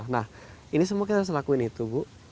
nah ini semua kita harus lakuin itu bu